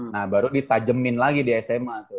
nah baru ditajemin lagi di sma tuh